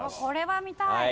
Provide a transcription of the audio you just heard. これは見たい。